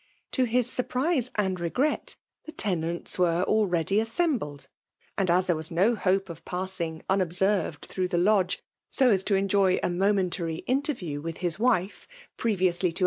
To his surprise and regret, the tenants were already assembled ; and as there was no hope of passing unob served through the lodge, so as to enjoy a mo mentary interview with his wife previously to FRMALE DOMINATION.